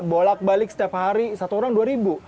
bolak balik setiap hari satu orang rp dua